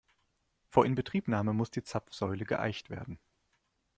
Vor Inbetriebnahme muss die Zapfsäule geeicht werden.